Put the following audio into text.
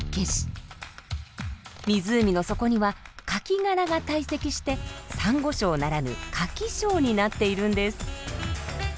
湖の底にはカキ殻が堆積してさんご礁ならぬカキ礁になっているんです。